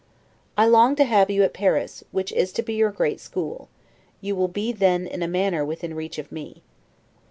I long to have you at Paris, which is to be your great school; you will be then in a manner within reach of me.